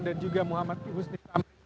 dan juga muhammad ibu sni